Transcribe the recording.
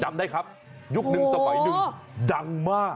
จำได้ครับยุคนึงสมัยหนึ่งดังมาก